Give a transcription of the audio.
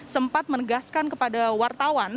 sempat menegaskan kepada wartawan